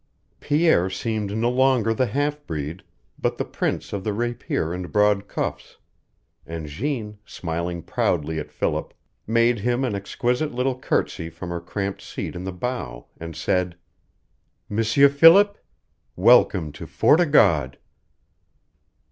Pierre seemed no longer the half breed, but the prince of the rapier and broad cuffs; and Jeanne, smiling proudly at Philip, made him an exquisite little courtesy from her cramped seat in the bow, and said: "M'sieur Philip, welcome to Fort o' God!"